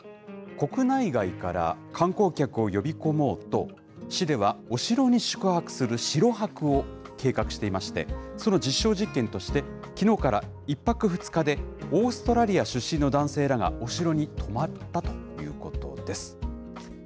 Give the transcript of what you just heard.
国内外から観光客を呼び込もうと、市ではお城に宿泊する城泊を計画していまして、その実証実験として、きのうから１泊２日で、オーストラリア出身の男性らがお城に泊まったということです。